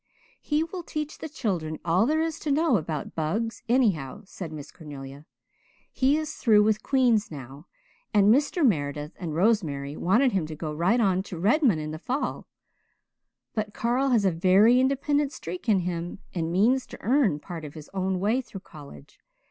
'" "He will teach the children all there is to know about bugs, anyhow," said Miss Cornelia. "He is through with Queen's now and Mr. Meredith and Rosemary wanted him to go right on to Redmond in the fall, but Carl has a very independent streak in him and means to earn part of his own way through college.